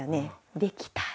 できた。